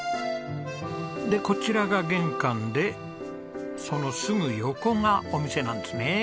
でこちらが玄関でそのすぐ横がお店なんですね。